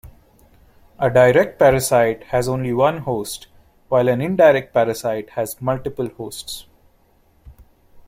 A direct parasite has only one host while an indirect parasite has multiple hosts.